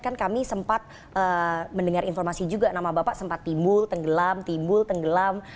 kan kami sempat mendengar informasi juga nama bapak sempat timbul tenggelam timbul tenggelam